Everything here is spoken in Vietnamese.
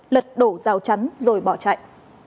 lật đổ rào chắn rồi bỏ chạy